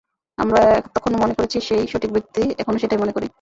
আমরা তখনো মনে করেছি সে-ই সঠিক ব্যক্তি, এখনো সেটাই মনে করি।